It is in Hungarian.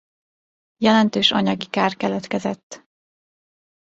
Jelentős anyagi kár keletkezett.